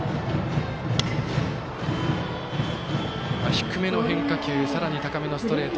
低めの変化球さらに高めのストレート。